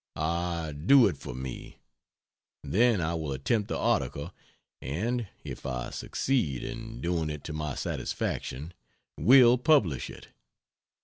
Ah, do it for me! Then I will attempt the article, and (if I succeed in doing it to my satisfaction,) will publish it.